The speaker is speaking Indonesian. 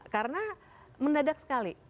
karena mendadak sekali